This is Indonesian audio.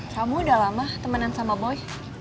kamu udah lama temenan sama boy